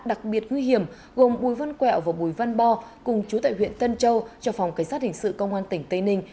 đặc biệt nguy hiểm gồm bùi văn quẹo và bùi văn bo cùng chú tại huyện tân châu cho phòng cảnh sát hình sự công an tỉnh tây ninh